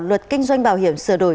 luật kinh doanh bảo hiểm sửa đổi